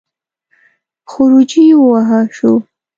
خروجی ووهه شو.